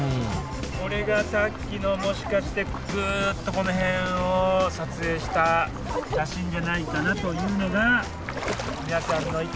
これがさっきのもしかしてグッとこの辺を撮影した写真じゃないかなというのが皆さんの意見。